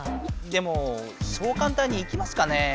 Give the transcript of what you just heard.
でもそうかんたんにいきますかねえ。